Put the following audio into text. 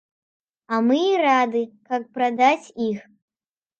А мы і рады, каб прадаць іх.